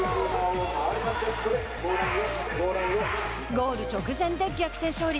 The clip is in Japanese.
ゴール直前で逆転勝利。